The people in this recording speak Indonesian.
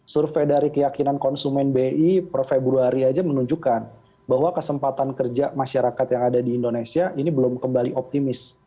survei dari keyakinan konsumen bi per februari aja menunjukkan bahwa kesempatan kerja masyarakat yang ada di indonesia ini belum kembali optimis